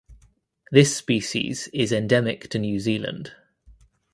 This species is endemic to New Zealand.